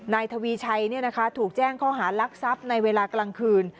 นายทวีชัยถูกแจ้งข้อหารักทรัพย์ในเวลากลางคืน